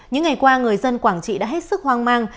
những ngày qua người dân quảng trị đã hết sức hoang mang